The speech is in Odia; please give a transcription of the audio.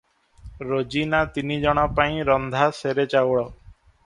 ରୋଜିନା ତିନି ଜଣ ପାଇଁ ରନ୍ଧା ସେରେ ଚାଉଳ ।